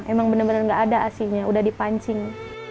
emang bener bener gak ada asinya udah dipancing